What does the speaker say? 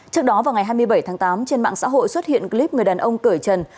trước đó vào ngày hai mươi bảy tháng tám trên mạng xã hội xuất hiện clip người đàn ông cởi trần